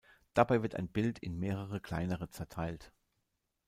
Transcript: Dabei wird ein Bild in mehrere kleinere zerteilt.